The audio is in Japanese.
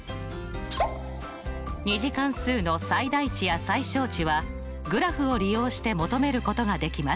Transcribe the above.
２次関数の最大値や最小値はグラフを利用して求めることができます。